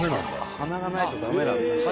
鼻がないと駄目なんだ。